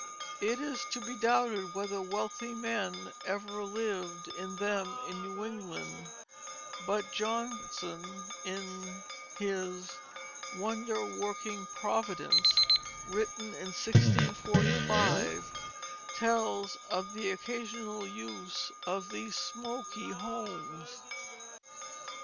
It is to be doubted whether wealthy men ever lived in them in New England, but Johnson, in his Wonder working Providence, written in 1645, tells of the occasional use of these "smoaky homes."